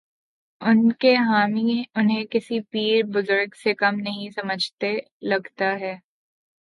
ان کے حامی انہیں کسی پیر بزرگ سے کم نہیں سمجھتے، لگتا ہے۔